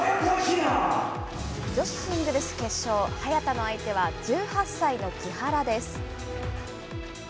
女子シングルス決勝、早田の相手は１８歳の木原です。